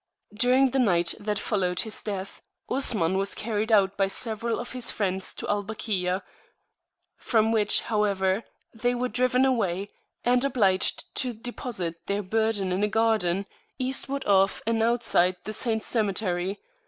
During the night that followed his death, Osman was carried out by several of his friends to Al Bakia, from which, however, they were driven away, and obliged to deposit their burden in a garden, eastward of and outside the saints cemetery.